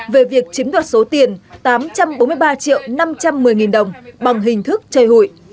về việc chiếm đoạt số tiền tám trăm bốn mươi ba triệu năm trăm một mươi nghìn đồng bằng hình thức chơi hụi